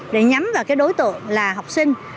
để nhắm vào đối tượng là học sinh